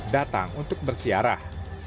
datang untuk bersiarah